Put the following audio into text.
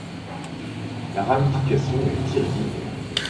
La ramification est irrégulière.